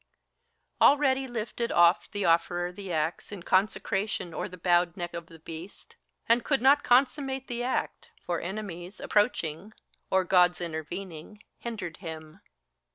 Already lifted oft the Offerer the axe In consecration o'er the bowed neck of the beast. And could not consummate the act ; for enemies Approaching, or Gods intervening, hindered him.